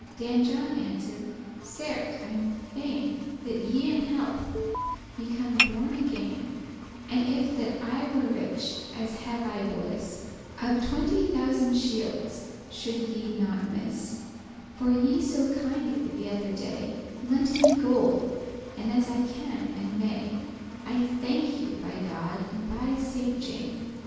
Dan John answered, "Certes, I am fain* *glad That ye in health be come borne again: And if that I were rich, as have I bliss, Of twenty thousand shields should ye not miss, For ye so kindely the other day Lente me gold, and as I can and may I thanke you, by God and by Saint Jame.